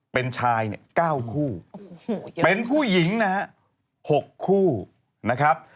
เป็นชาย๙คู่เป็นผู้หญิง๖คู่นะครับ